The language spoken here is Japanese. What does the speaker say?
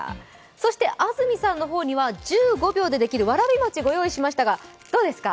そして安住さんの方には１５秒でできるわらび餅ご用意しましたがどうですか？